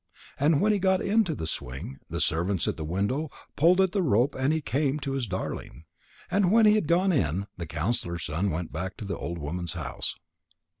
And when he got into the swing, the servants at the window pulled at the rope and he came to his darling. And when he had gone in, the counsellor's son went back to the old woman's house.